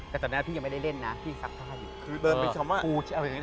แต่ตอนนั้นพี่ยังไม่ได้เล่นนะพี่ซักผ้าอยู่